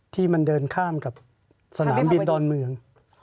ที่มันเดินข้ามกับสนามบินดอนเมือง